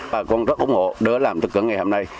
bà con rất ủng hộ đỡ làm tất cả ngày hôm nay